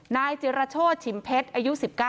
นายจิรโชธฉิมเพชรอายุ๑๙